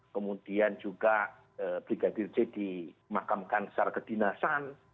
kemudian juga brigadir c dimakamkan secara kedinasan